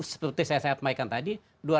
seperti saya semaikan tadi